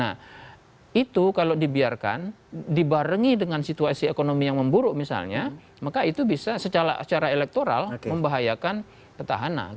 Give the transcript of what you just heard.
dan itu kalau dibiarkan dibarengi dengan situasi ekonomi yang memburuk misalnya maka itu bisa secara elektoral membahayakan ketahanan